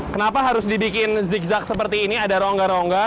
kenapa harus dibikin zigzag seperti ini ada rongga rongga